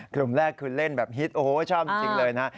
กลุ่มแรกคือเล่นแบบฮิตโอ้โหชอบจริงเลยนะ